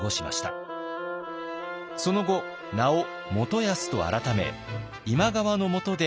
その後名を元康と改め今川のもとで働くことになります。